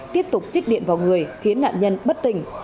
tiếp tục trích điện vào người khiến nạn nhân bất tình